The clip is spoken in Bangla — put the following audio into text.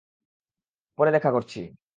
পরে দেখা করছি।